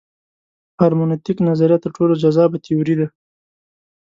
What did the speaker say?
هرمنوتیک نظریه تر ټولو جذابه تیوري ده.